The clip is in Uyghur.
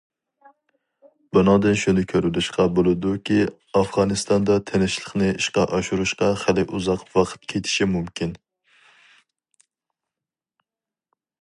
بۇنىڭدىن شۇنى كۆرۈۋېلىشقا بولىدۇكى، ئافغانىستاندا تىنچلىقنى ئىشقا ئاشۇرۇشقا خېلى ئۇزاق ۋاقىت كېتىشى مۇمكىن.